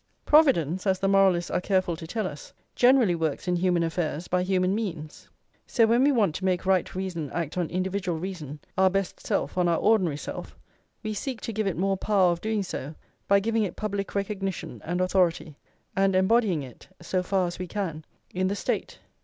Providence, as the moralists are careful to tell us, generally works in human affairs by human means; so when we want to make right reason act on individual reason, our best self on our ordinary self, we seek to give it more power of doing so by giving it public recognition and authority, and embodying it, so far as we can, in the State.